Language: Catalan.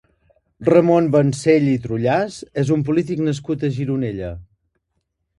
Ramon Vancell i Trullàs és un polític nascut a Gironella.